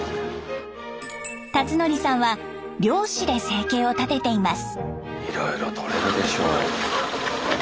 辰徳さんは漁師で生計を立てています。